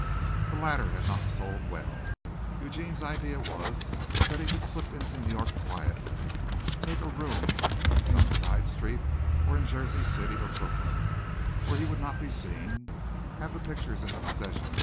The latter had not sold well. Eugene's idea was that he could slip into New York quietly, take a room in some side street or in Jersey City or Brooklyn where he would not be seen, have the pictures in the possession of M.